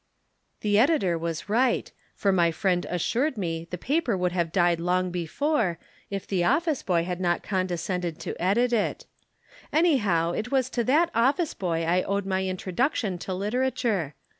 The editor was right, for my friend assured me the paper would have died long before, if the office boy had not condescended to edit it. Anyhow, it was to that office boy I owed my introduction to literature.